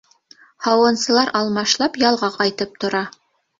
Һауынсылар алмашлап ялға ҡайтып тора.